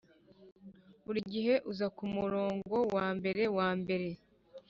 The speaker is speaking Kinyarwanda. buri gihe uza ku murongo wa mbere, wa mbere,